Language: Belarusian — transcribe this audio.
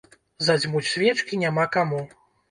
Задзьмуць свечкі няма каму.